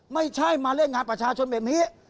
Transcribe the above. ไม่ใช่มาเล่นงานประชาชนแบบนี้